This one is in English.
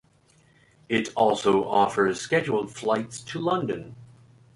It also offers scheduled flights to London.